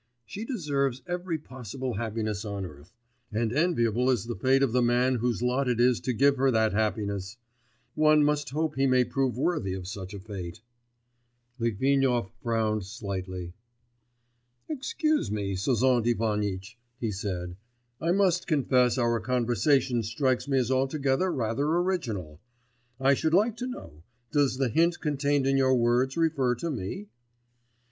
She deserves every possible happiness on earth, and enviable is the fate of the man whose lot it is to give her that happiness! One must hope he may prove worthy of such a fate.' Litvinov frowned slightly. 'Excuse me, Sozont Ivanitch,' he said, 'I must confess our conversation strikes me as altogether rather original.... I should like to know, does the hint contained in your words refer to me?